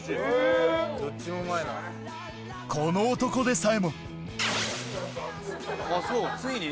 この男でさえもついに？